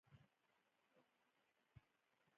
🍌کېله